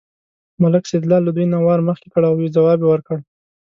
ملک سیدلال له دوی نه وار مخکې کړ او یې ځواب ورکړ.